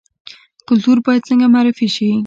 کلتور باید څنګه معرفي شي؟